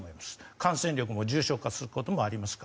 感染力も重症化することもあります。